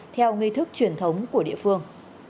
theo nghi thức truyền thống của địa phương